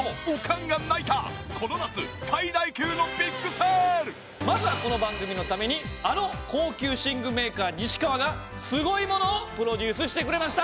今回はまずはこの番組のためにあの高級寝具メーカー西川がすごいものをプロデュースしてくれました。